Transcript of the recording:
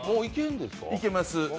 いけます。